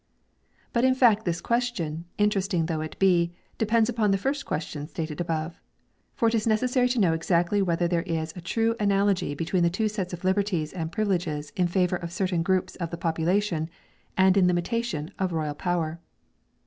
But in fact this question, interesting though it be, depends upon the first question stated above. For it is first necessary to know exactly whether there is a true analogy between the two sets of liberties and privileges in favour of certain groups of the population, and in limitation of royal power.